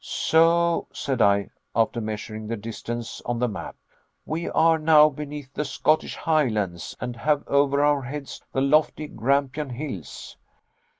"So," said I, after measuring the distance on the map, "we are now beneath the Scottish Highlands, and have over our heads the lofty Grampian Hills."